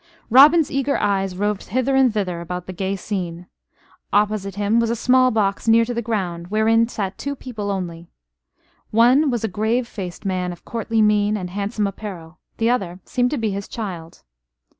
Robin's eager eyes roved hither and thither about the gay scene. Opposite him was a small box near to the ground, wherein sat two people only. One was a grave faced man of courtly mien and handsome apparel: the other seemed to be his child.